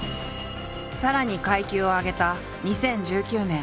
さらに階級を上げた２０１９年。